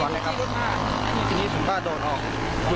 นี้ก็มาด้วย